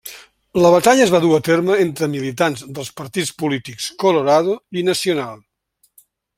La batalla es va dur a terme entre militants dels partits polítics Colorado i Nacional.